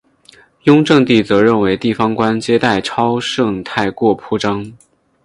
雍正帝则认为地方官接待超盛太过铺张。